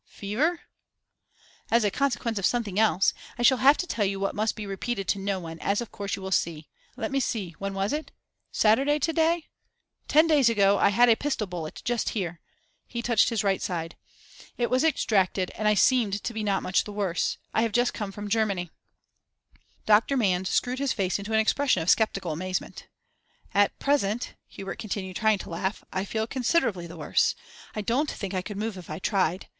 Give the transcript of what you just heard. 'Fever?' 'As a consequence of something else. I shall have to tell you what must be repeated to no one, as of course you will see. Let me see, when was it? Saturday to day? Ten days ago, I had a pistol bullet just here,' he touched his right side. 'It was extracted, and I seemed to be not much the worse. I have just come from Germany.' Dr. Manns screwed his face into an expression of sceptical amazement. 'At present,' Hubert continued, trying to laugh, 'I feel considerably the worse. I don't think I could move if I tried.